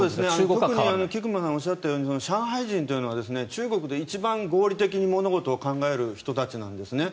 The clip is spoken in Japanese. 特に菊間さんのおっしゃったように上海人というのは中国で一番合理的に物事を考える人たちなんですね。